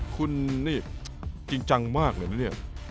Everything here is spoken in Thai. คุณนี่จริงจังมากเลยนะเนี่ย